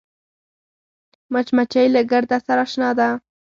مچمچۍ له ګرده سره اشنا ده